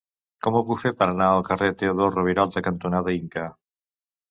Com ho puc fer per anar al carrer Teodor Roviralta cantonada Inca?